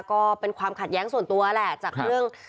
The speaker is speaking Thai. ก็เป็นความขัดแย้งส่วนตัวแหละจากเรื่อง